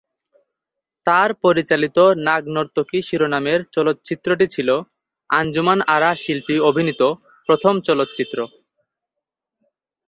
তার পরিচালিত "নাগ নর্তকী" শিরোনামের চলচ্চিত্রটি ছিল আঞ্জুমান আরা শিল্পী অভিনীত প্রথম চলচ্চিত্র।